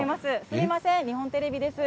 すみません、日本テレビです。